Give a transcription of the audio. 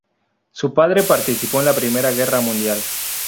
Su padre participó en la Primera Guerra Mundial.